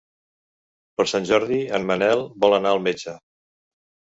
Per Sant Jordi en Manel vol anar al metge.